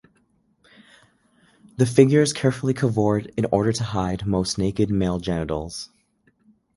The figures carefully cavort in order to hide most naked male genitals.